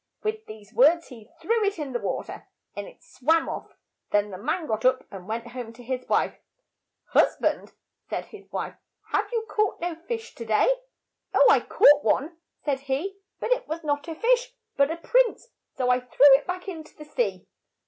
With these words he threw it in to the wa ter, and it swam off. Then the man got up and went home to his wife. "Hus band, " said his wife, "have you caught no fish to' day? " THE FISHERMAN AND HIS WIFE 77 "Oh, I caught one," said he, "but it said it was not a fish but a prince, so I threw it back in to the sea."